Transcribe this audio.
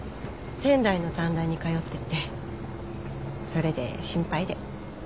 仙台の短大に通っててそれで心配で。